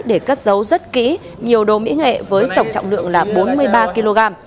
để cất dấu rất kỹ nhiều đồ mỹ nghệ với tổng trọng lượng là bốn mươi ba kg